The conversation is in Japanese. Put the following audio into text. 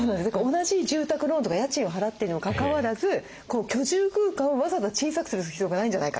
同じ住宅ローンとか家賃を払っているにもかかわらず居住空間をわざわざ小さくする必要がないんじゃないかと。